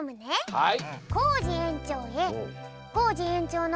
はい。